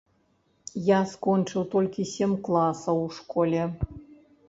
Я скончыў толькі сем класаў у школе.